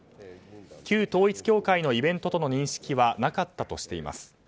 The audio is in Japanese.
旧統一教会のイベントとの認識はなかったとしています。